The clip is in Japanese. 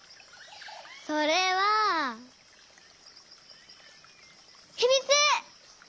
それはひみつ！